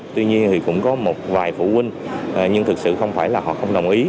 tuy nhiên thì cũng có một vài phụ huynh nhưng thực sự không phải là họ không đồng ý